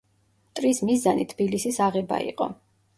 მტრის მიზანი თბილისის აღება იყო.